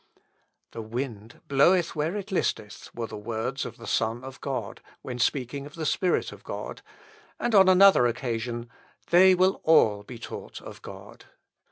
"The wind bloweth where it listeth," were the words of the Son of God, when speaking of the Spirit of God; and, on another occasion, "They will ALL be taught of God."